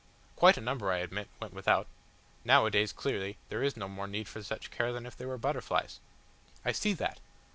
Quite a number, I admit, went without. Nowadays, clearly, there is no more need for such care than if they were butterflies. I see that!